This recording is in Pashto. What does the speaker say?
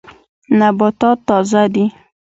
نباتات تازه دي.